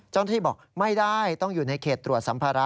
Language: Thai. เจ้าหน้าที่บอกไม่ได้ต้องอยู่ในเขตตรวจสัมภาระ